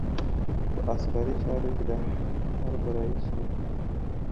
په عسکري چارو کې د حرب رئیس وو.